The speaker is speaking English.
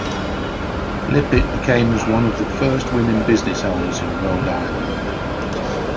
Lippitt became as one of the first women business owners in Rhode Island.